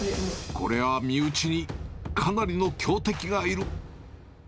これは身内にかなりの強敵がいる。